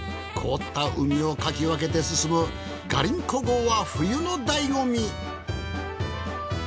凍った海をかき分けて進むガリンコ号は冬のだいご味。